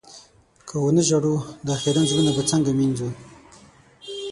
که و نه ژاړو، دا خيرن زړونه به څنګه مينځو؟